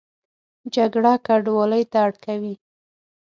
جګړه کډوالۍ ته اړ کوي